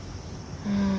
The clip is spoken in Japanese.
うん。